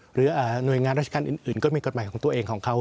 หรือหน่วยงานราชการอื่นก็มีกฎหมายของตัวเองของเขา